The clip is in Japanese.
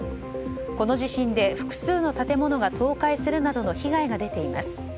この地震で複数の建物が倒壊するなどの被害が出ています。